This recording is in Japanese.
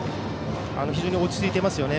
非常に落ち着いてますね。